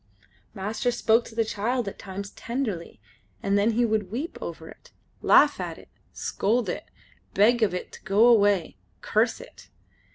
Master spoke to the child at times tenderly, then he would weep over it, laugh at it, scold it, beg of it to go away; curse it.